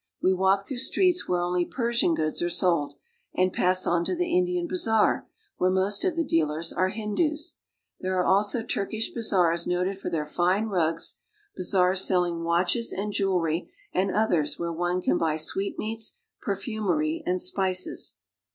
We walk through streets where only Persian goods are sold, and pass on lo the Indian bazaar, where most of the dealers are Hindoos. There are also Turkish bazaars , noted for their fine rugs, bazaars sell ing watches and jewelry, and others where one can buy sweetmeats, per fumery, and spices.